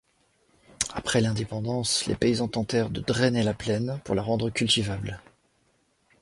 Après l'indépendance, les paysans tentèrent de drainer la plaine pour la rendre cultivable.